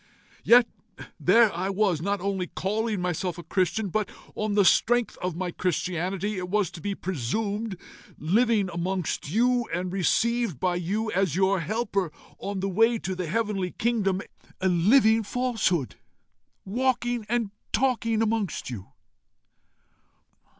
Yet there I was, not only calling myself a Christian, but on the strength of my Christianity, it was to be presumed, living amongst you, and received by you, as your helper on the way to the heavenly kingdom a living falsehood, walking and talking amongst you!"